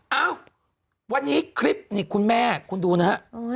เอ้าวันนี้คลิปนี่คุณแม่คุณดูนะฮะ